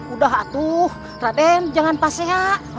udah atuh raden jangan paseak